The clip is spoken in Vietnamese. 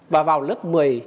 và vào lớp một mươi